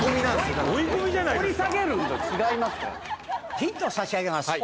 ヒント差し上げます。